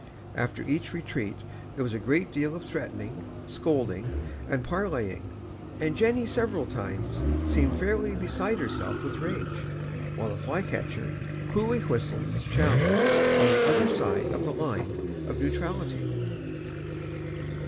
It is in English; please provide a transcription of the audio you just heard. After each retreat there was a great deal of threatening, scolding, and parleying, and Jenny several times seemed fairly beside herself with rage, while the flycatcher coolly whistled his challenge on the other side of the line of neutrality.